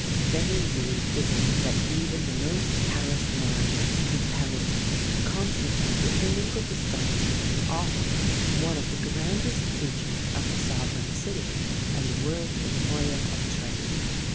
Then indeed is it that even the most callous mind is compelled to contemplate with mingled astonishment and awe, one of the grandest features of the sovereign city and world's emporium of trade.